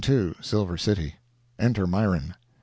—Silver City. Enter Myron.